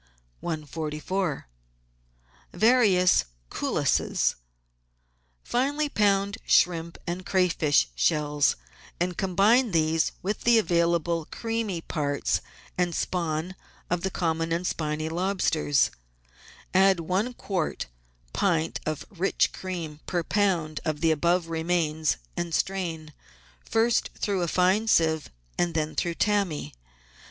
144 VARIOUS CULLISES Finely pound shrimp and crayfish shells, and combine with these the available creamy parts and spawn of the common and spiny lobsters; add one quarter pint of rich cream per lb. of the above remains, and strain, first through a fine sieve and then through tammy.